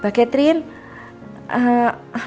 mbak catherine udah tau belum kalau rendy sakit